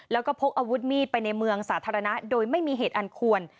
แล้วก็พกอาวุธมีดไปในเมืองสาธารณะโดยไม่มีเหตุอันควร